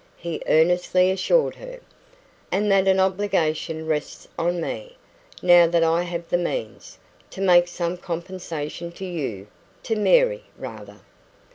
he earnestly assured her. "And that an obligation rests on me, now that I have the means, to make some compensation to you to Mary, rather."